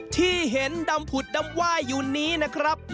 ที่เห็นดำผุดดำไหว้อยู่นี้นะครับ